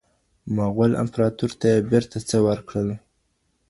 مغل امپراتور ته یې بېرته څه ورکړل؟